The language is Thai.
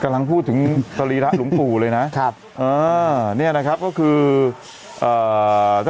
กำลังพูดถึงสรีระหลวงปู่เลยนะครับเออเนี้ยนะครับก็คืออ่า